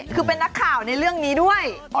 คือเป็นนักข่าวในเรื่องนี้ด้วย